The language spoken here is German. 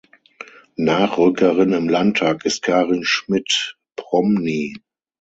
Nachrückerin im Landtag ist Karin Schmitt-Promny.